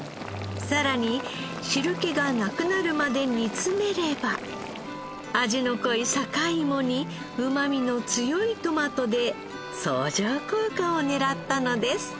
さらに汁気がなくなるまで煮詰めれば味の濃い坂井芋にうまみの強いトマトで相乗効果を狙ったのです。